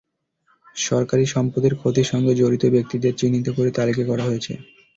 সরকারি সম্পদের ক্ষতির সঙ্গে জড়িত ব্যক্তিদের চিহ্নিত করে তালিকা করা হয়েছে।